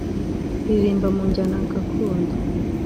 riririmba mu njyana gakondo